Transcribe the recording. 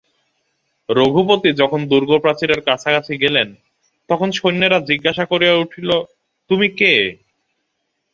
রঘুপতি যখন দুর্গপ্রাচীরের কাছাকাছি গেলেন তখন সৈন্যেরা জিজ্ঞাসা করিয়া উঠিল, তুমি কে?